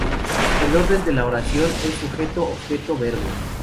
El orden de la oración es Sujeto-Objeto-Verbo.